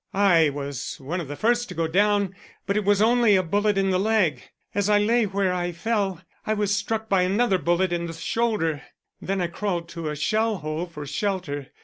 I was one of the first to go down but it was only a bullet in the leg. As I lay where I fell I was struck by another bullet in the shoulder. Then I crawled to a shell hole for shelter.